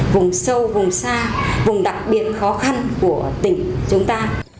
vùng sâu vùng xa vùng đặc biệt khó khăn của tỉnh chúng ta